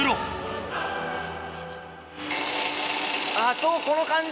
あぁそうこの感じ！